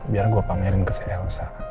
biar gue pamerin ke si elsa